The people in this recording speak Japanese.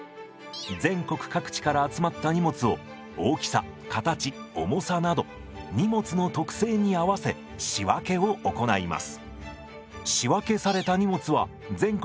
全国各地から集まった荷物を大きさ形重さなど荷物の特性に合わせ仕分けを行います。